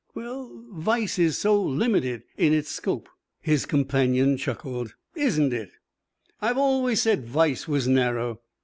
"Well, vice is so limited in its scope." His companion chuckled. "Isn't it? I've always said vice was narrow.